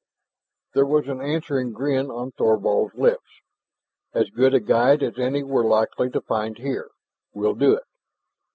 There was an answering grin on Thorvald's lips. "As good a guide as any we're likely to find here. We'll do it."